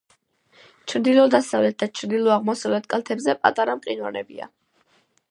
ჩრდილო-დასავლეთ და ჩრდილო-აღმოსავლეთ კალთებზე პატარა მყინვარებია.